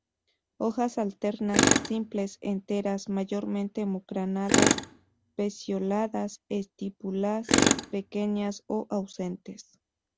Hojas alternas, simples, enteras, mayormente mucronadas; pecioladas, estípulas pequeñas o ausentes.